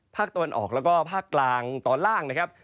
ภาคตะวันออกแล้วก็ภาคกลางตอนล่างนะครับ